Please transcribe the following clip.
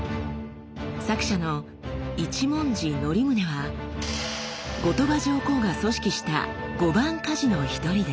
作者の一文字則宗は後鳥羽上皇が組織した「御番鍛冶」の一人です。